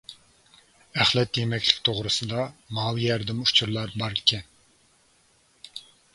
ئەخلەت يېمەكلىك توغرىسىدا ماۋۇ يەردىمۇ ئۇچۇرلار باركەن.